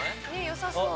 よさそう。